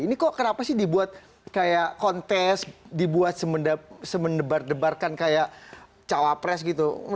ini kok kenapa sih dibuat kayak kontes dibuat semendebar debarkan kayak cawapres gitu